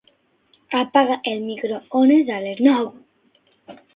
Apaga el microones a les nou.